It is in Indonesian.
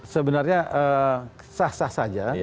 sebenarnya sah sah saja